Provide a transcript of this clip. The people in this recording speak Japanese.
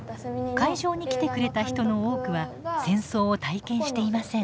会場に来てくれた人の多くは戦争を体験していません。